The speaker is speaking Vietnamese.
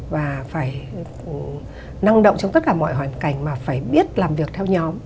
và phải năng động trong tất cả mọi hoàn cảnh mà phải biết làm việc theo nhóm